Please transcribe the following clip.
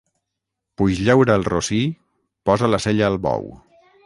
Puix llaura el rossí, posa la sella al bou.